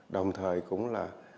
đồng thời cũng là